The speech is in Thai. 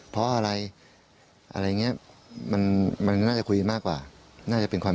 เพราะอะไรอะไรอย่างนี้มันน่าจะคุยมากกว่าน่าจะเป็นความ